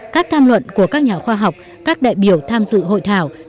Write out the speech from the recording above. các tham luận của các nhà khoa học các đại biểu tham dự hội thảo